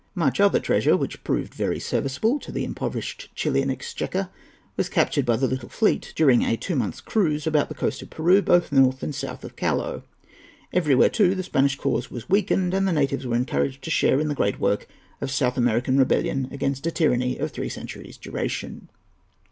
Much other treasure, which proved very serviceable to the impoverished Chilian exchequer, was captured by the little fleet during a two months' cruise about the coast of Peru, both north and south of Callao. Everywhere, too, the Spanish cause was weakened, and the natives were encouraged to share in the great work of South American rebellion against a tyranny of three centuries' duration.